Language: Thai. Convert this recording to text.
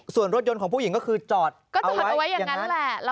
ส่วนรถยนต์ของผู้หญิงก็คือจอดก็จอดเอาไว้อย่างนั้นแหละ